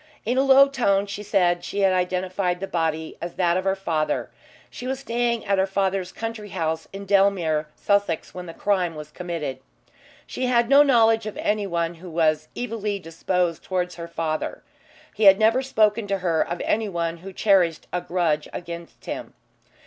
In a low tone she said she had identified the body as that of her father. She was staying at her father's country house in Dellmere, Sussex, when the crime was committed. She had no knowledge of anyone who was evilly disposed towards her father. He had never spoken to her of anyone who cherished a grudge against him.